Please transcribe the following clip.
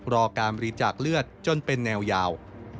รอการบริจาคเลือดจนเป็นแนวยาว